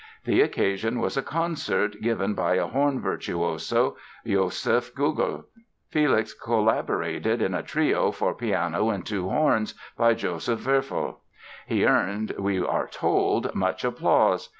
The occasion was a concert given by a horn virtuoso, Joseph Gugel. Felix collaborated in a trio for piano and two horns, by Joseph Wölfl. He earned, we are told, "much applause".